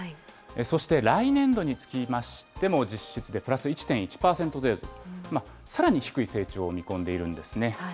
そして、来年度につきましても、実質でプラス１．１％程度、さらに低い成長を見込んでいるんですね。